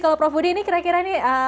kalau prof budi ini kira kira nih